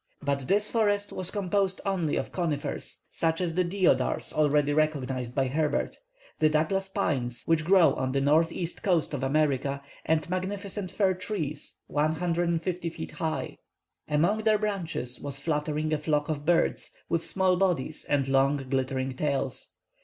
But this forest was composed only of conifers, such as the deodars, already recognized by Herbert; the Douglas pines, which grow on the northeast coast of America; and magnificent fir trees, 150 feet high. Among their branches was fluttering a flock of birds, with small bodies and long, glittering tails.